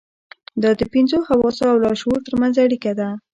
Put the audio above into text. دا د پنځو حواسو او لاشعور ترمنځ اړيکه ده.